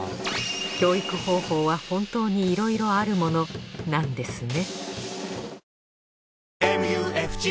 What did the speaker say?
教育方法は本当にいろいろあるものなんですね